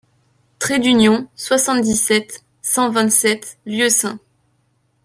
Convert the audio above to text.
Trait d'Union, soixante-dix-sept, cent vingt-sept Lieusaint